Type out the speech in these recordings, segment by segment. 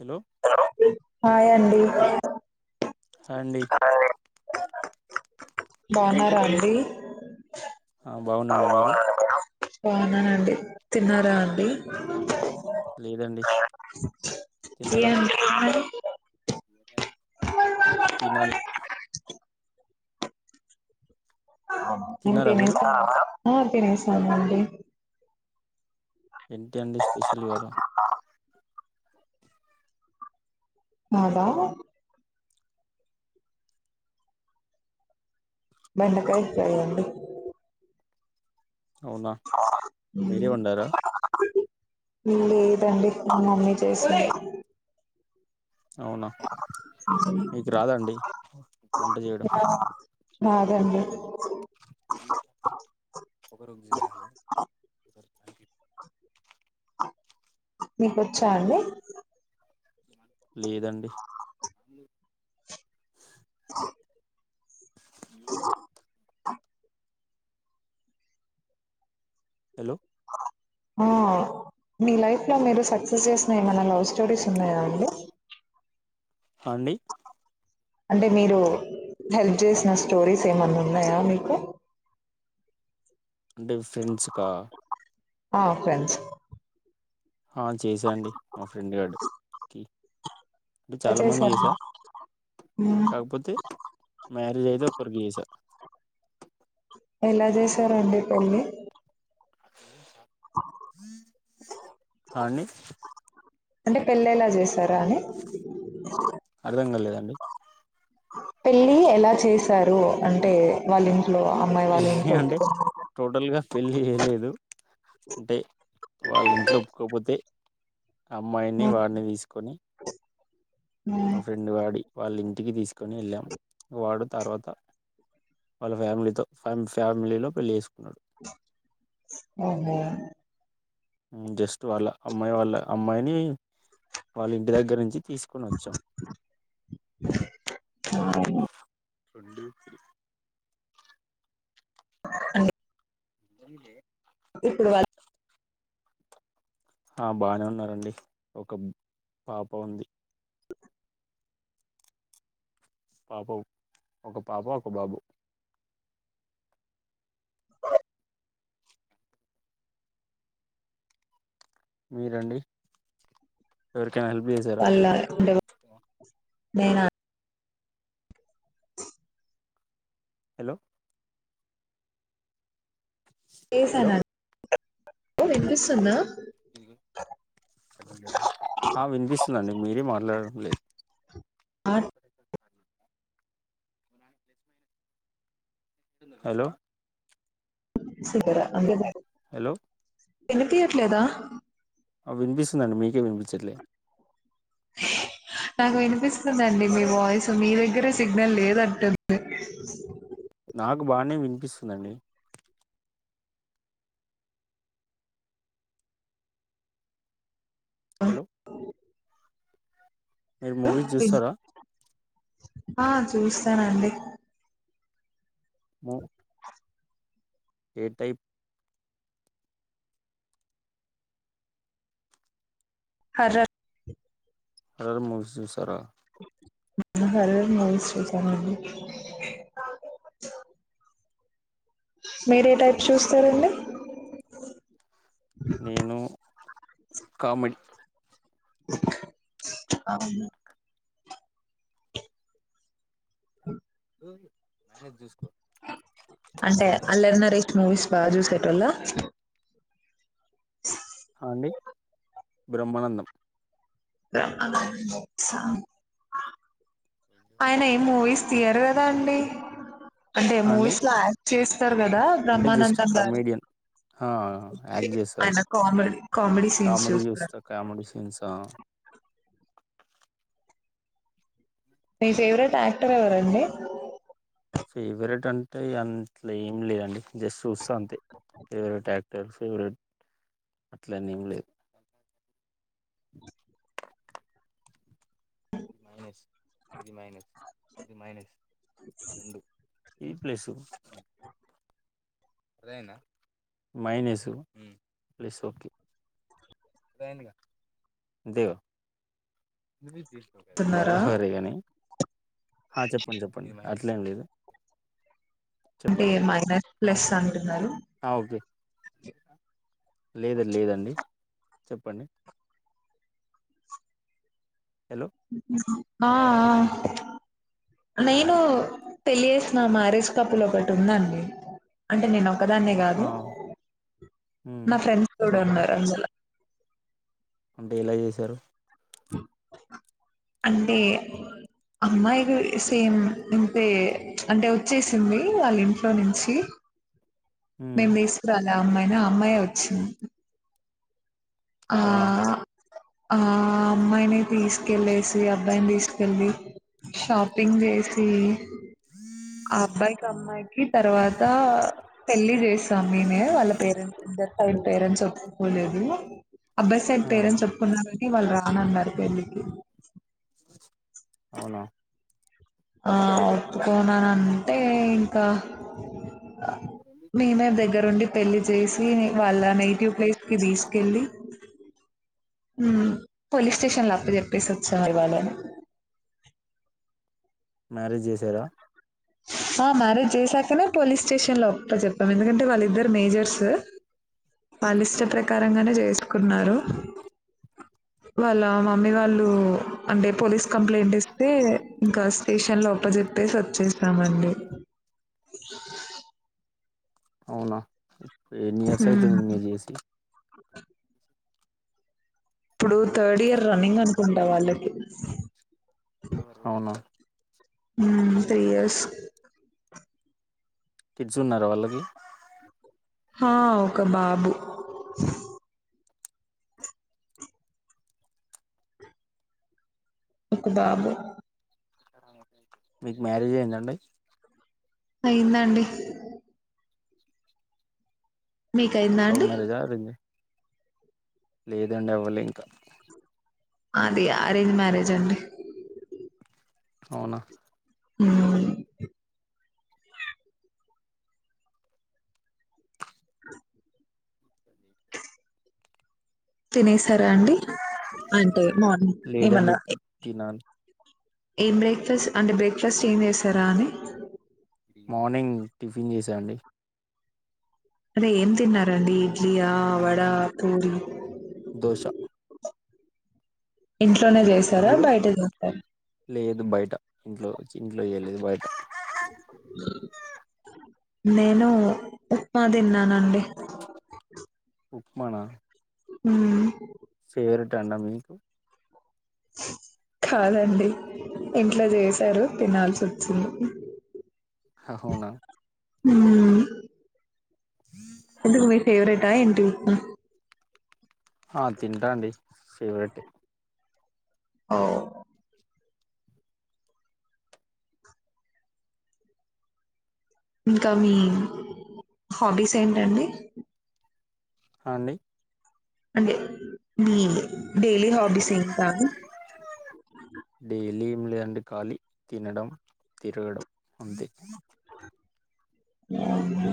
Hello ఆ ఎవరు హాయండి హాయ్ అండి హాయ్ బగునారా అండి హా బాగునండి మీరు బావునానండి తిన్నారా అండి లేదండి ఆ మెరు తిన్నరా థినారా తినాలి నెన్ తిన్నారా మీరు థినేసా నండి ఆ తినేసానండి ఏంటి అండి స్పెషల్ ఇవాళ్ళ మాదా బెండకాయ్ ఫ్రై అండి అవునా అవున మీరే వండారా ఉమ్ అయ్ లేదండి మా మమ్మీ చేసింది అవునా మీకు రాదండి వంట చేయడం కాదండి మీకొచ్చా అండి లేదండి హాయ్ [unintelligible] హలో ఉమ్ మీ లైఫ్ లో మీరు సక్సెస్ చేసిన ఏమైనా లవ్ స్టోరీస్ ఉన్నాయా అండి అండి అంటే మీరు హెల్ప్ జేసిన స్టోరీస్ ఏమన్న ఉన్నాయా మీకు అంటే ఫ్రెండ్స్ కా ఆ ఫ్రెండ్స్ ఆ చేసా అండి మా ఫ్రెండ్ గాడు కి ఎలా చాలా మందికి చేసా చేశారు కాకపోతే మ్యారేజ్ అయితే ఒక్కరికి చేసా ఎలా జేసారండి పెళ్ళి సష్ ఆండీ అంటే పెళ్ళి ఎలా జేసారా అని నిజంగ లేదండి పెళ్ళి ఎలా చేశారు. అంటే వాళ్ళ ఇంట్ ట్లో అమ్మాయి వాళ్ళ పెళ్ళి ఇంట్లో అంటే ఒప్పుకున్నారా టోటల్ గా పెళ్ళి జేయ లేదు. అంటే వాళ్ళ ఇంట్లో ఒప్పుకోకపోతే అమ్మాయిని వాడ్ని తీసుకొని మ ఫ్రెండ్ వాడి వాళ్ళింటికి తీసు కోని వెళ్లం. వాడు తర్వత వాళ్ళ ఫ్యామిలితో ఫ్యా ఫ్యామిలీలో పెళ్ళి జేసుకున్నారు. ఆహా జస్ట్ వాళ్ళ అమ్మాయి వాళ్ళ అమ్మాయిని వాళ్ళ ఇంటి దగ్గర నుంచి తీసుకోని వచ్చాం. రద్దు అండి ఆండీ. ఇప్పుడు వాల్ల ఆ బానే ఉన్నారండి. ఒక పాప ఉంది. పాప ఒక పాప ఒక బాబు మీరండి ఎవ ఇంకేమన్నా హెల్ప్ జేసార నేనా హలో హలో చేసను. నం మీకు వినిపిస్తుందా ఆ వినిపిస్తుంది అండి. మీరే మాట్లాడడం లేదు. ఆ హలో [unintelligible] అంతే [unintelligible] హలో వినిపియట్లేదా ఆ వినిపిస్తుందండి మీకే వినిపించట్లే నాకు వినిపిస్తుంది అండి. మీ వాయిస్ మీ దగ్గర సిగ్నల్ లేనాట్టుంది. నాకు బాగానే వినిపిస్తుందాండి. హలో మీరు మువీస్ విన్- జుస్తారా ఆ చూస్తానండి. ఆ ఏ టైప్ కజా అడ ఎవరన్నా మనిషి చూసార బధహార మహ శ్రచనీ [unintelligible] మనిషి చూసానండి మీరే టైప్ చూస్తారండి నిను కామెడీ అవున హయ్యి మూవీ అంటే అల్లరి నరేష్ మూవిస్ బాగా చూసేటొల్ల హా బ్రహ్మానందం బస [inaudible] పొనీ మూవీస్ తీయ్యరుగా రండీ అంటే హా అండి మూవీస్ లా చేస్ వస్తారు కదా అంటే జస్ట్ బ్రహ్మానందం గారు కమెడియన్ హా యాక్ట్ చేస్తారు ఆయన కామెడీ కామెడీ సీన్స్ చూస్తార చూస్తా కామెడీ సీన్స్ ఆ మీ ఫేవరెట్ యాక్టర్ ఎవరండి ఫేవరెట్ అంటే అట్ల ఏం లేదండి జస్ట్ చూస్త అంతే ఫవరెట్ యాక్ట్ తెలుసు బ్రూ అట్లనే ఏం లేదు [inaudible] ఇది మైనస్ ఇది మైనస్ ఇది మైనస్ రెండు ఇది ప్లస్ మైనెస్ ప్లస్ అంతే కదా మీ అంటున్నారా బరాబరీగానీ ఆ చెప్పండి చెప్పండి ఇక అట్లేం లేదు అంటే చెప్పండి మైనస్ ప్లస్ అంటున్నారు లేదండి లేదండి చెప్పండి హలో [inaudible] ఆ ఆ నేను పెళ్ళి చేసిన మ్యారేజ్ కపుల్ ఒకటి ఉందండి అంటే నేను ఒకదాన్నే ఆ కాదు ఉమ్ నా ఫ్రెండ్స్ కూడా చెప్పండి ఉన్నారు అందులో [inaudible] అంటే ఎలా చేశారు అంటే అమ్మాయి సేమ్ ఇంతే అంటే ఒచ్చేసింది వాళ్ళ ఇంట్లో నుంచి ఉమ్ నేన్ వేసుకురాను ఆ అమ్మాయినా ఆ అమ్మాయే వచ్చింది ఆ అవునా ఆ అమ్మాయిని తీసుకెళ్ళసి అబ్బాయిని తీసుకెళ్ళి షాపింగ్ చేసి ఆ అబ్బాయికి అమ్మాయికి తర్వాత పెళ్లి జేస్తాం మేమే వాళ్ళ పేరెంట్స్ ఇదరు వాల్ పేరెంట్స్ ఒప్పుకోలేదు అబ్బాయ్ సైడ్ పేరెంట్స్ ఒప్పుకున్నారు కాని వాళ్ళు రా ఆననారు పెళ్ళికి అవునా ఆ ఒప్పుకున్నానంటే ఇంకా మేమే దగ్గరుండి పెళ్ళి చేస్ దిని వాళ్ళ నేటివ్ ప్లేస్ కి తీసుకెళ్ళి ఊమ్ పోలీస్ స్టేషన్ లో అప్ప చెెప్పేసి వచ్చారూ వాళ్ళను మ్యారేజ్ జేసారా ఆ మ్యారేజ్ చేసాకనే పోలీస్ స్టేషన్ లో అప్ప చెప్పాం ఎందుకంటే వాళ్ళిద్దరు మేజర్సు వాళ్ళిష్ట ప్రకారంగానే చేసుకున్నారు వాళ్ళ మమ్మీ వాళ్ళు అంటే పోలీస్ కంప్లైంట్ ఇస్తే ఇంకా స్టేషన్ లో అప్పజెప్పేసి వచ్చేసినం అండి అవునా ఇప్పుడు ఎన్ని ఇయర్స్ హ్మ్ అయితోంది మీరు చేసి ఇప్పుడు థర్డ్ ఇయర్ రన్నింగ్ అనుకుంటా వాళ్ళకి అవునా ఊమ్ త్రీ ఇయర్స్ కిడ్స్ ఉన్నారా వాళ్ళకి హా ఒక బాబు ఒక బాబు మీకు మ్యారేజ్ అయిందా అండి అయ్యిందండీ మీకైంద లవ్ అండి మ్యారేజా అరేంజ్ లేదండి అవ్వలే ఇంకా అది ఆరేంజ్ మ్యారేజ్ అండి అవునా ఊమ్ తినేస్ తరా అండి అంటే మార్నింగ్ లేదండి ఏమన్నా ఇప్పుడు తినాలి ఏం బ్రేక్ఫాస్ట్ అంటే బ్రేక్ఫాస్ట్ ఏం చేసారా అని మార్నింగ్ టిఫిన్ చేశా అండి అదే ఏం తిన్నారండి ఇడ్లియా, వడ, పూరి దోశ ఇడ్లీ ఇంట్లోనే చేసారా మీరు బయట చేసారా లేదు బయట ఇంట్లో ఇంట్లో చెయ్యలేదు బయట నేను ఉప్మా తిన్నానండి ఉప్మానా హు దండం మీకు కాదండి ఇంట్లో చేశారు తినాల్సి వోచ్చింది హా అవున హు ఎందుకు మీ ఫేవరెటా ఏంటి ఉప్మా ఆ తింటా అండి ఫేవరెట్ ఏ అ ఓ ఇంకా మీ హాబీస్ ఏంటండి అండి అదే మీ డైలీ హాబీస్ ఏంటా అని హు లేదండీ ఖాలీ తినడం తిరగడం అంతే అవునా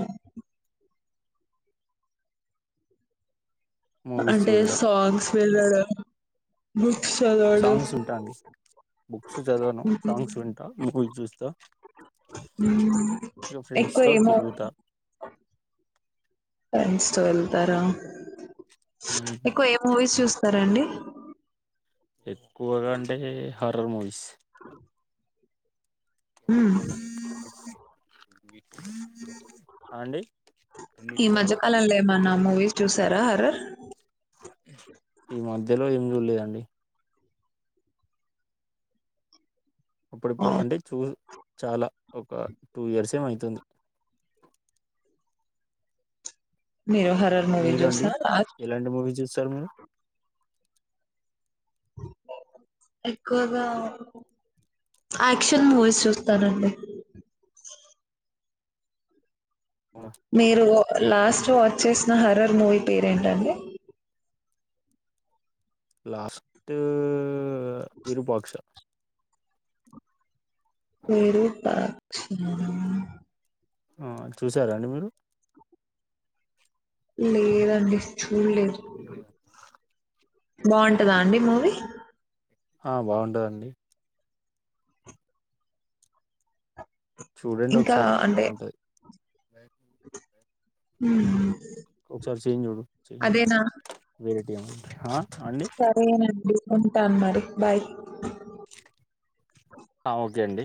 మూవీస్ అంటే చూడడం సాంగ్స్ చదవడం బుక్ సాంగ్స్ వింటాను బుక్స్ చదవను సాంగ్స్ వింటా మూవీ చూస్తా హ్మ్. ఇగ ఫ్రెండ్స్ ఎక్కువ తో ఏ మూ తిరుగుతా ఫ్రెండ్స్ తో వెళ్తారా ఉమ్ ఎక్కువ ఏ మూవీస్ చూస్త సరే అండి ఎక్కువగా అంటే హర్రర్ మూవీస్ అ ఉ ఆ అండి ఈ మధ్య కలంలో ఏమన్నా మూవీస్ చూసారా హర్రర్ ఈ మధ్యలో ఏం చూడలేదండి అప్పుడుప్పుడు ఓహ్! అంటే చూ చాలా ఒక టూ ఇయర్స్ ఏమె అయుతుంది మీరు హర్రర్ మూవీ చూసారా లాస్ట్ తము [unintelligible] ఎక్కువగా యాక్షన్ మూవీస్ చూస్తానండి మీరు లాస్ట్ వాచ్ చేసిన హర్రర్ మూవీ పేరేంటండి లాస్ట్ విరూపాక్ష విరూపా క్షి య ఆ చూసారాండి మీరు లేదండి చూడలేదు బాగుంటదా అండి మూవీ ఆ బాగుంటదండి చూడండి ఒకసారి బాగుంటది బాయ్ [inaudible] హ హ ఒకసారి చైన్ చూడు చైన్ వేరే ఆ సరేనండి ఉంటాన్ మరి బాయ్ ఓకే అండి